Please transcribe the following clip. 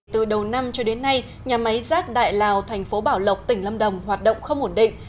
từ đầu năm cho đến nay nhà máy rác đại lào thành phố bảo lộc tỉnh lâm đồng hoạt động không ổn định